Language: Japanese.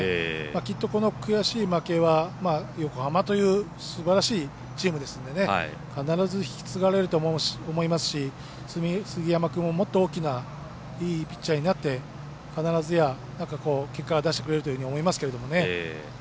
きっと、この悔しい負けは横浜というすばらしいチームですんで必ず引き継がれると思いますし、杉山君ももっと大きないいピッチャーになって必ずや結果を出してくれると思いますけれどもね。